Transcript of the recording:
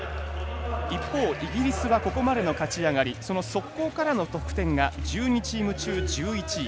一方、イギリスはここまでの勝ち上がりその速攻からの得点が１２チーム中１１位。